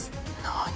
何！？